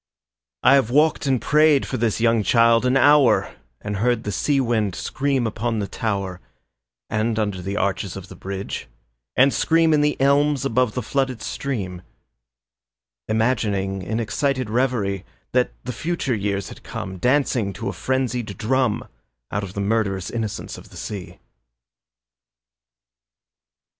I have walked and prayed for this young child an hour And heard the sea wind scream upon the tower, And under the arches of the bridge, and scream In the elms above the flooded stream; Imagining in excited reverie That the future years had come, Dancing to a frenzied drum, Out of the murderous innocence of the sea.